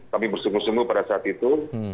kami bersungguh sungguh pada saat itu